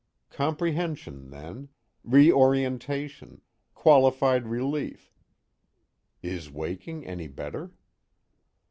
Comprehension then; reorientation; qualified relief _Is waking any better?